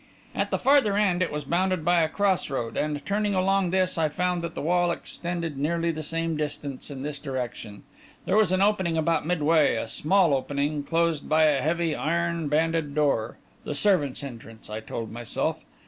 At the farther end, it was bounded by a crossroad, and, turning along this, I found that the wall extended nearly the same distance in this direction. There was an opening about midway a small opening, closed by a heavy, iron banded door the servants' entrance, I told myself.